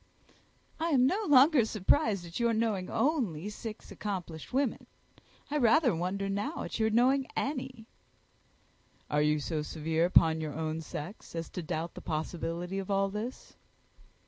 "I am no longer surprised at your knowing only six accomplished women. I rather wonder now at your knowing any." "Are you so severe upon your own sex as to doubt the possibility of all this?"